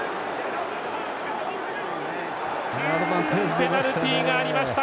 ペナルティがありました。